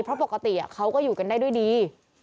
เพราะปกติเขาก็อยู่กันได้ด้วยดี